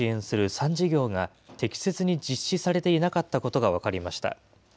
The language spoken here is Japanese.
３事業が、適切に実施されていなかったことが分かりました。